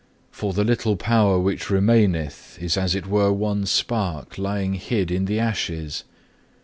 For the little power which remaineth is as it were one spark lying hid in the ashes.